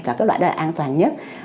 và cái loại đó là an toàn nhất